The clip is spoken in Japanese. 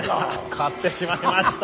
買ってしまいました。